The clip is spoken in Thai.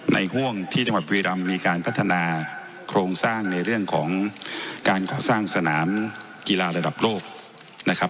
ห่วงที่จังหวัดบุรีรำมีการพัฒนาโครงสร้างในเรื่องของการก่อสร้างสนามกีฬาระดับโลกนะครับ